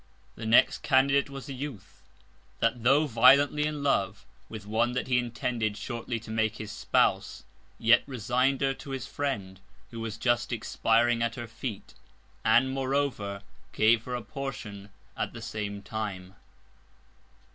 The next Candidate was a Youth, that tho' violently in Love with one that he intended shortly to make his Spouse, yet resign'd her to his Friend, who was just expiring at her Feet; and moreover, gave her a Portion at the same Time.